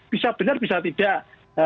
bisa benar bisa tidak